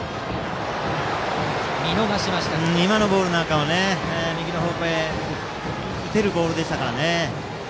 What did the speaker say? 今のボールは右の方向へ打てるボールでしたから。